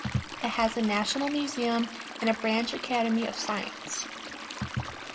It has a national museum and a branch academy of science.